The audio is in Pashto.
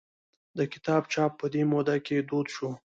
د کتاب چاپ په دې موده کې دود شو.